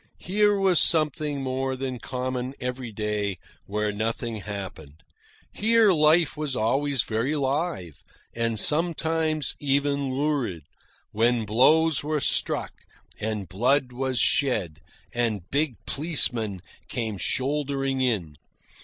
Here was something more than common every day where nothing happened. Here life was always very live, and, sometimes, even lurid, when blows were struck, and blood was shed, and big policemen came shouldering in.